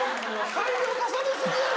改良重ね過ぎやろ。